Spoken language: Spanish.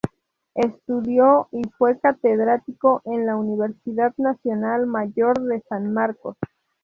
Estudió y fue catedrático en la Universidad Nacional Mayor de San Marcos.